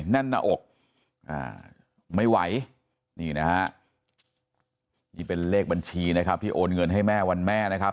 แน่นหน้าอกไม่ไหวนี่นะฮะนี่เป็นเลขบัญชีนะครับที่โอนเงินให้แม่วันแม่นะครับ